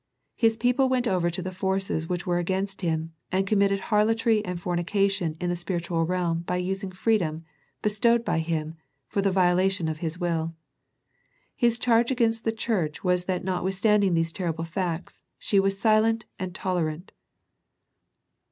His people went over to the forces which were against Him, and committed harlotry and fornication in the spiritual realm by using freedom, bestowed by Him, for the violation of His will. His charge against the church was that notwith standing these terrible facts, she was silent and tolerant.